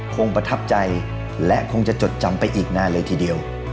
ประทับใจและคงจะจดจำไปอีกนานเลยทีเดียว